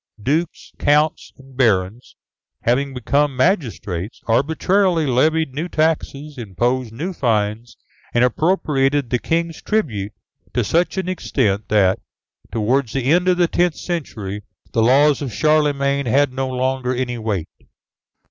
Dukes, counts, and barons, having become magistrates, arbitrarily levied new taxes, imposed new fines, and appropriated the King's tributes to such an extent that, towards the end of the tenth century, the laws of Charlemagne had no longer any weight.